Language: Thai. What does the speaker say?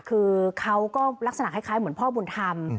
คือเขาก็ลักษณะคล้ายเหมือนพ่อบุญธรรม